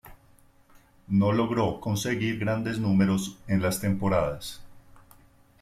No logró conseguir grandes números en las temporadas.